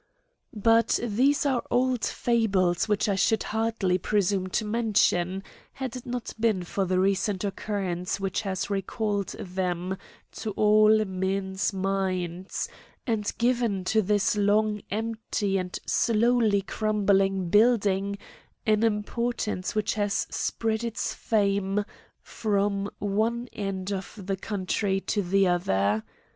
But these are old fables which I should hardly presume to mention, had it not been for the recent occurrence which has recalled them to all men's minds and given to this long empty and slowly crumbling building an importance which has spread its fame from one end of the country to the other.